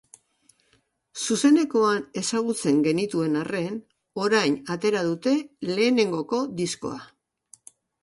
Zuzenekoan ezagutzen genituen arren, orain atera dute lehenengoko diskoa.